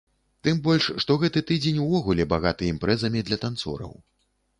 Тым больш што гэты тыдзень увогуле багаты імпрэзамі для танцораў.